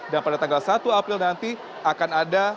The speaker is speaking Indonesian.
dan pada tanggal satu april nanti akan ada